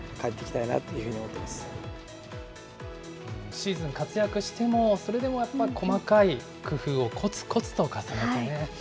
シーズン活躍しても、それでもやっぱり細かい工夫をこつこつと重ねてね。